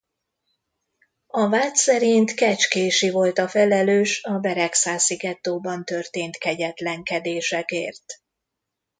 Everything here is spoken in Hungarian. A vád szerint Kecskési volt a felelős a beregszászi gettóban történt kegyetlenkedésekért.